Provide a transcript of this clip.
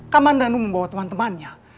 kamandano membawa teman temannya